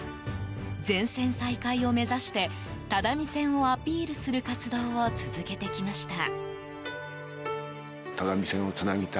全線再開を目指して只見線をアピールする活動を続けてきました。